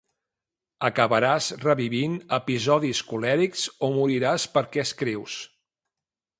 Acabaràs revivint episodis colèrics o moriràs perquè escrius.